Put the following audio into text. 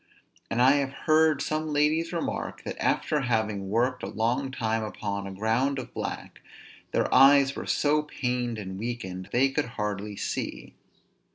And I have heard some ladies remark, that after having worked a long time upon a ground of black, their eyes were so pained and weakened, they could hardly see.